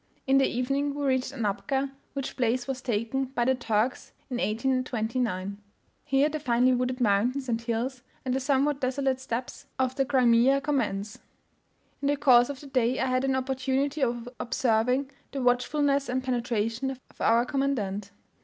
In the evening, we reached Anapka, which place was taken by the Turks in 1829. Here the finely wooded mountains and hills, and the somewhat desolate steppes {320b} of the Crimea commence. In the course of the day I had an opportunity of observing the watchfulness and penetration of our commandant.